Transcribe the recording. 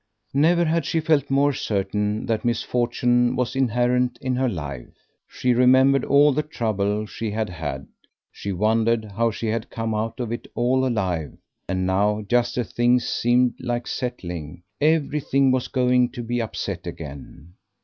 Never had she felt more certain that misfortune was inherent in her life. She remembered all the trouble she had had, she wondered how she had come out of it all alive; and now, just as things seemed like settling, everything was going to be upset again.